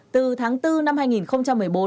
từ tháng bốn năm hai nghìn một mươi bốn